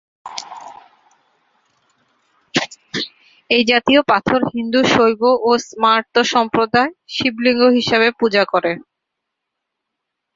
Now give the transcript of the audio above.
এই জাতীয় পাথর হিন্দু শৈব ও স্মার্ত সম্প্রদায় শিবলিঙ্গ হিসেবে পূজা করে।